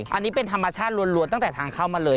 อันนี้เป็นธรรมชาติล้วนตั้งแต่ทางเข้ามาเลย